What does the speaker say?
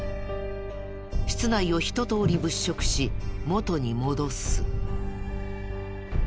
室内をひと通り物色し元に戻す。